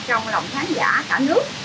trong lòng khán giả cả nước